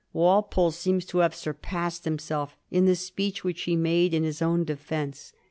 Walpole seems to have surpassed himself in the speech which he made in his own defence.